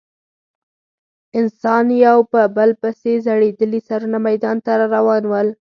اسان یو په بل پسې ځړېدلي سرونه میدان ته راروان ول.